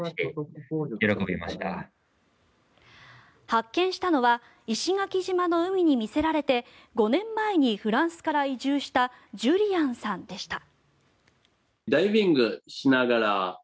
発見したのは石垣島の海に魅せられて５年前にフランスから移住したジュリアンさんでした。